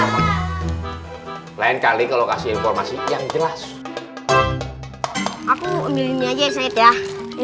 response yangarnia otot j tiga puluh enam ribu dua ratus peraraan depan yang sangat kencang itu saya ingat talked to you thank you